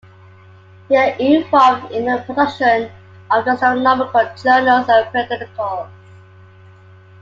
They are involved in the production of astronomical journals and periodicals.